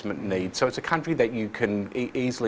jadi indonesia adalah negara yang dapat diperhatikan dengan mudah